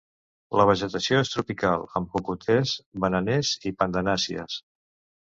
La vegetació és tropical amb cocoters, bananers i pandanàcies.